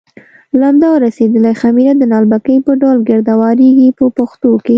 لمده او رسېدلې خمېره د نالبکي په ډول ګرد اوارېږي په پښتو کې.